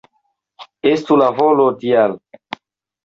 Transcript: Estu la volo Dia!